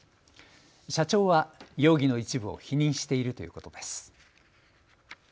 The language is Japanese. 社長は容疑の一部を否認しているということです。